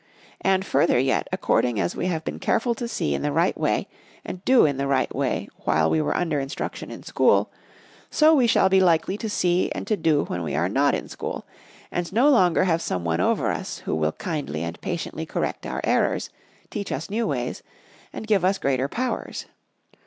And, further yet, according as we have been careful to see in the right way and to do in the right way while we were under instruction in school, so we shall be likely to see and to do when we are not in school, and no longer have some one over us who will kindly and patiently correct our errors, teach us new ways, and give us greater powers.